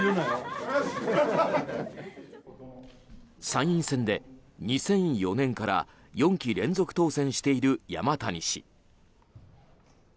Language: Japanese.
参院選で２００４年から４期連続当選している山谷氏。